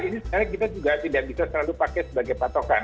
ini sebenarnya kita juga tidak bisa selalu pakai sebagai patokan